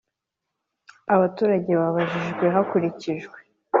Abaturage babajijwe hakurikijwe